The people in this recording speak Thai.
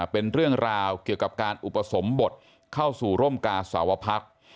เป็นเรื่องราวเกี่ยวกับการอุปสมบทเข้าสู่ร่มกาสาวพัก